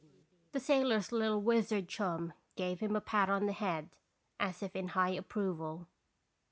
187 The sailor's little wizard chum gave him a pat on the head, as if in high approval.